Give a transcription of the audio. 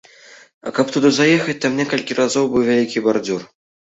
А каб туды заехаць, там некалькі разоў быў вялікі бардзюр.